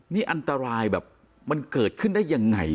นี่อันตรายแบบมันเกิดขึ้นได้ยังไง